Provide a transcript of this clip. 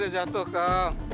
aku selalu menang